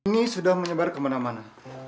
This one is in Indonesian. ini sudah menyebar kemana mana